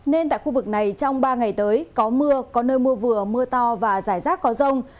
nên tại khu vực này trong ba ngày tới có mưa có nơi mưa vừa mưa to và rải rác có rông